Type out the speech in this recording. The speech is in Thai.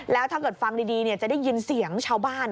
แล้วถ้าเกิดฟังดีจะได้ยินเสียงชาวบ้าน